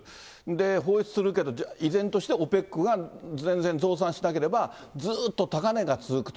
放出するけど、依然としてＯＰＥＣは全然増産しなければ、ずっと高値が続くと。